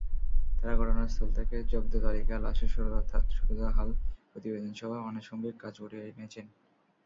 তাঁরা ঘটনাস্থল থেকে জব্দতালিকা, লাশের সুরতহাল প্রতিবেদনসহ আনুষঙ্গিক কাজ গুটিয়ে এনেছেন।